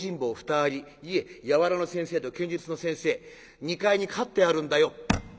２人いえ柔の先生と剣術の先生２階に飼ってあるんだよ」。